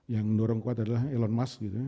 yang mendorong kuat adalah elon musk gitu ya